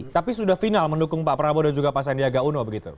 tapi sudah final mendukung pak prabowo dan juga pak sandiaga uno begitu